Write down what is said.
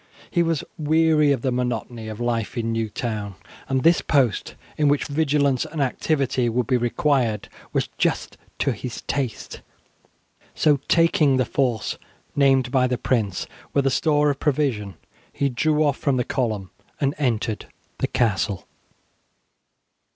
He was weary of the monotony of life in New Town, and this post in which vigilance and activity would be required was just to his taste; so, taking the force named by the prince, with a store of provision, he drew off from the column and entered the castle.